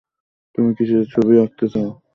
তুমি কীসের ছবি আঁকতে চাও?